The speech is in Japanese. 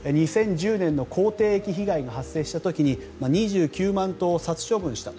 ２０１０年の口蹄疫被害が発生した時に２９万頭を殺処分した。